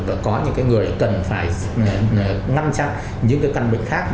và có những người cần phải ngăn chặn những căn bệnh khác